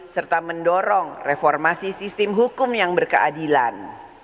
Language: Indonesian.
serta mendorong reformasi sistem hukum yang berkeadilan